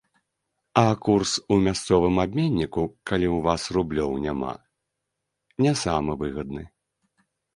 А курс у мясцовым абменніку, калі ў вас рублёў няма, не самы выгадны.